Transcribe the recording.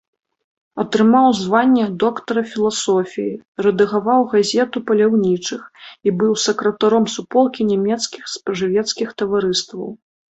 Атрымаў званне доктара філасофіі, рэдагаваў газету паляўнічых і быў сакратаром суполкі нямецкіх спажывецкіх таварыстваў.